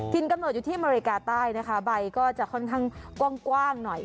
กำหนดอยู่ที่อเมริกาใต้นะคะใบก็จะค่อนข้างกว้างหน่อย